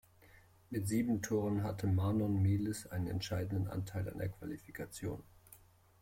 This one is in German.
Mit sieben Toren hatte Manon Melis einen entscheidenden Anteil an der Qualifikation.